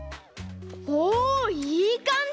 おおいいかんじ！